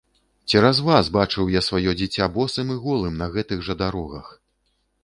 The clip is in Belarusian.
Цераз вас бачыў я сваё дзіця босым і голым на гэтых жа дарогах!